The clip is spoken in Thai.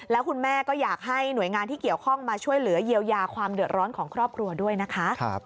แล้วคุณแม่ก็อยากให้หน่วยงานที่เกี่ยวข้องมาช่วยเหลือเยียวยาความเดือดร้อนของครอบครัวด้วยนะคะ